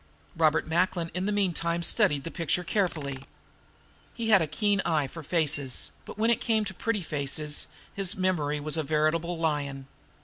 Robert Macklin in the meantime studied the picture carefully. He had a keen eye for faces, but when it came to pretty faces his memory was a veritable lion.